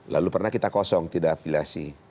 lalu pernah kita kosong tidak afiliasi